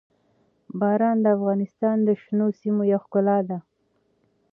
باران د افغانستان د شنو سیمو یوه ښکلا ده.